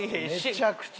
めちゃくちゃ。